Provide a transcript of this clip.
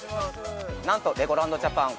なんとレゴランド・ジャパン